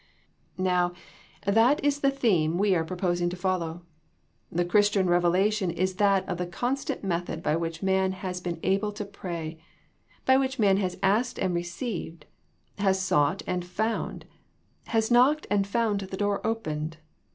Now, that is the theme we are proposing to follow. The Christian reve lation is that of the constant method by which man has been able to pray ; by w^hich man has asked and received, has sought and found ; has knocked and found the door opened.